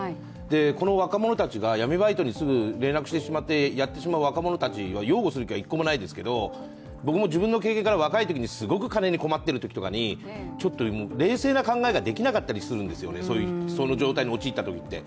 この若者たちが闇バイトにすぐ連絡してしまって、やってしまう若者たちを擁護する気は１個もないですけれども、僕も自分の経験からすごく金に困ってるときとかに冷静な考えができなかったりするんですよね、その状態に陥ったときって。